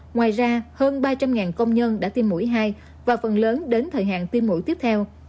ngoài ra hơn ba trăm linh công nhân đã tiêm mũi hai và phần lớn đến thời hạn tiêm mũi tiếp theo